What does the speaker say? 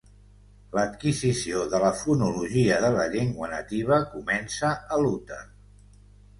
L'adquisició de la fonologia de la llengua nativa comença a l'úter.